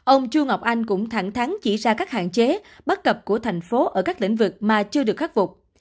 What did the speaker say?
ông chu ngọc anh cũng thẳng thắn chỉ ra các hạn chế bất cập của thành phố ở các lĩnh vực mà chưa được khắc phục